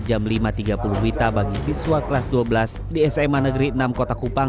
jam lima tiga puluh wita bagi siswa kelas dua belas di sma negeri enam kota kupang